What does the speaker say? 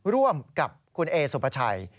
ร่วมกับคุณเอสุปชัย